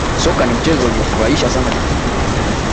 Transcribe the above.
Soka ni mchezo wenye kufurahisha sana dunia